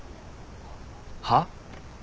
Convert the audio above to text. はっ？